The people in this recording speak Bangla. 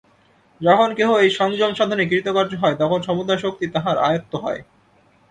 যখন কেহ এই সংযমসাধনে কৃতকার্য হয়, তখন সমুদয় শক্তি তাহার আয়ত্ত হয়।